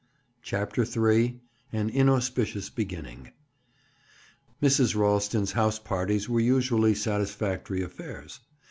CHAPTER III—AN INAUSPICIOUS BEGINNING Mrs. Ralston's house parties were usually satisfactory affairs.